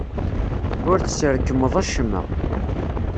Ur tesrekmeḍ acemma.